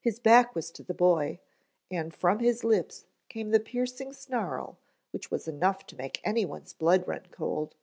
His back was to the boy and from his lips came the piercing snarl which was enough to make anyone's blood run cold.